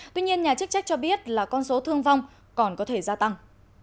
tuy nhiên nhà chức trách cho biết là con số thương vong còn có thể gia tăng